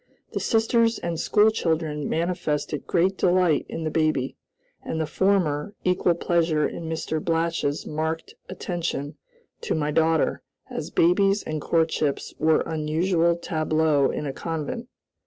The sisters and school children manifested great delight in the baby, and the former equal pleasure in Mr. Blatch's marked attention to my daughter, as babies and courtships were unusual tableaux in a convent.